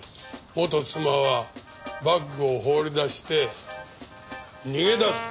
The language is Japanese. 元妻はバッグを放り出して逃げ出す。